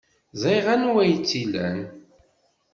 Ẓriɣ anwa ay tt-ilan.